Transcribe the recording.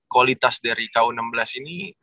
kualitas dari ku enam belas ini